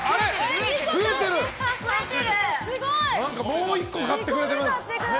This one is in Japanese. もう１個買ってくれてます。